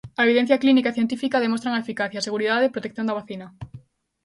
A evidencia clínica e científica demostran a eficacia, seguridade e protección da vacina.